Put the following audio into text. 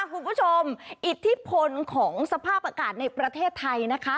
คุณผู้ชมอิทธิพลของสภาพอากาศในประเทศไทยนะคะ